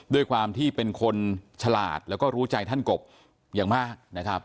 ด้วยความที่เป็นคนฉลาดแล้วก็รู้ใจท่านกบอย่างมากนะครับ